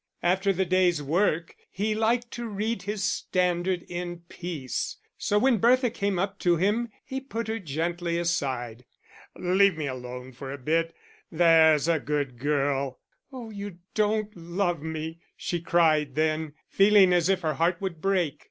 After the day's work he liked to read his Standard in peace, so when Bertha came up to him he put her gently aside. "Leave me alone for a bit, there's a good girl." "Oh, you don't love me," she cried then, feeling as if her heart would break.